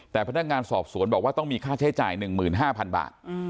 แต่พนักงานสอบสวนบอกว่าต้องมีค่าใช้จ่าย๑๕๐๐๐บาท